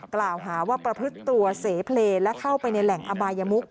กล่าวหาว่าประพฤติตัวเสเพลย์และเข้าไปในแหล่งอบายมุก